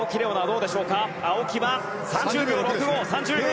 青木は３０秒６５。